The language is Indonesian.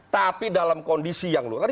tapi dalam kondisi yang luar